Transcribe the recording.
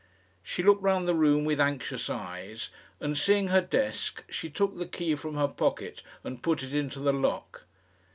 She looked round the room with anxious eyes, and seeing her desk, she took the key from her pocket and put it into the lock.